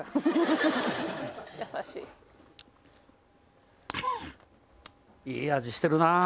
いい味してるなぁ。